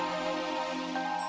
bapak sudah selesai